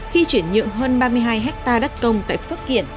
khi chuyển nhượng hơn ba mươi hai hectare đất công tại phước kiện